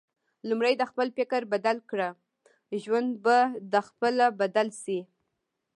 لومړی د خپل فکر بدل کړه ، ژوند به د خپله بدل شي